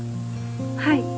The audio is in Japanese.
はい。